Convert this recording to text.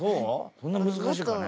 そんな難しいかね？